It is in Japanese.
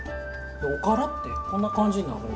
おからってこんな感じになるんやね。